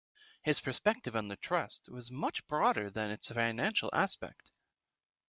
His perspective on the Trust was much broader than its financial aspect.